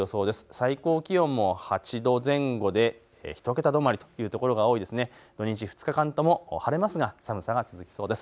最高気温も８度前後で１桁止まりというところが多そうです。